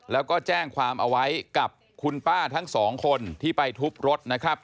แล้วก็แจ้งความเอาไว้กับคุณป้าทั้งสองคนที่ไปทุบรถนะครับ